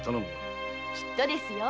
きっとですよ。